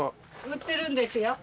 売ってるんですよ。